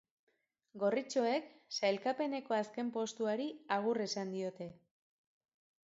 Gorritxoek sailkapeneko azken postuari agur esan diote.